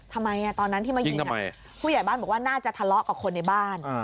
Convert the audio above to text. ตอนนั้นที่มายิงผู้ใหญ่บ้านบอกว่าน่าจะทะเลาะกับคนในบ้าน